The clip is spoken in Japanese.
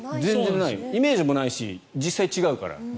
イメージもないし実際違うから。